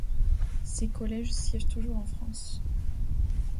Ces collèges siègent toujours en France.